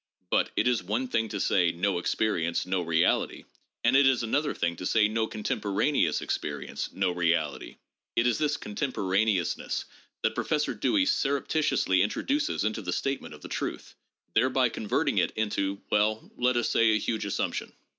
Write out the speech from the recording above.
But it is one thing to say, No experience ; no reality, and it is another thing to say, No contemporaneous experience, no reality. It is this contemporaneousness that Professor Dewey surrepti tiously introduces into the statement of the truth, thereby convert ing it into, — well, let us say a huge assumption.